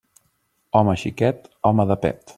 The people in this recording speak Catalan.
Home xiquet, home de pet.